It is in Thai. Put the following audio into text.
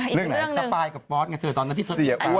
สปายกับฟอสไงเถอะตอนนั้นที่สติปิด